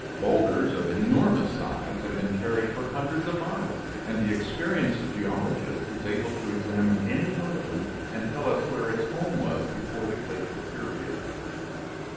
Bowlders of enormous size have been carried for hundreds of miles, and the experienced geologist is able to examine any one of them and tell us where its home was before the glacial period.